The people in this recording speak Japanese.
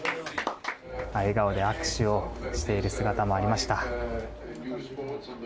笑顔で握手をしている姿もありました。